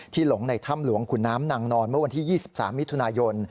หลงในถ้ำหลวงขุนน้ำนางนอนเมื่อวันที่๒๓มิถุนายน